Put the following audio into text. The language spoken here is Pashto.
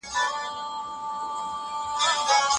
موږ شکلونه بيا رسموو.